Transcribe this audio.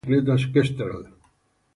El equipo utiliza bicicletas Kestrel.